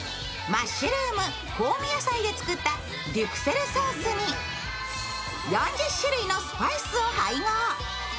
マッシュルーム、香味野菜で作ったデュクセルソースに４０種類のスパイスを配合。